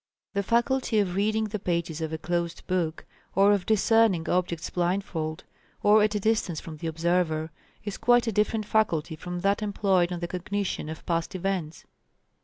The faculty of reading the pages of a closed book, or of discerning objects blindfold, or at a distance from the observer, is quite a different faculty from that employed on the cognition of past events.